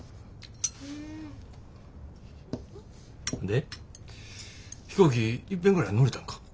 で飛行機いっぺんぐらい乗れたんか？